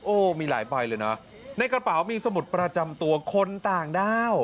โอ้โหมีหลายใบเลยนะในกระเป๋ามีสมุดประจำตัวคนต่างด้าว